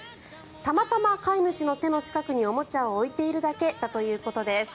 たまたま飼い主の手の近くにおもちゃを置いているだけだということです。